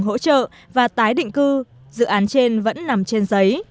hỗ trợ và tái định cư dự án trên vẫn nằm trên giấy